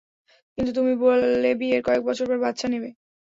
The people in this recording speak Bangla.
কিন্তু তুমি বললে, বিয়ের কয়েক বছর পর বাচ্ছা নেবে?